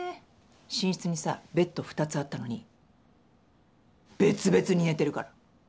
寝室にさベッド２つあったのに別々に寝てるから。